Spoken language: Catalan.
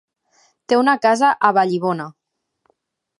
Té una casa a Vallibona.